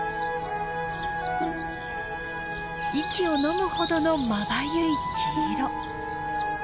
息をのむほどのまばゆい黄色。